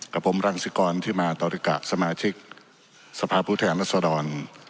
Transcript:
กับผมรังสิกรที่มาตอลิกสมาชิกสภาพุทธแหละสะดล